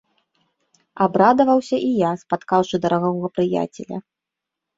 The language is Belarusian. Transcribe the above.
Абрадаваўся і я, спаткаўшы дарагога прыяцеля.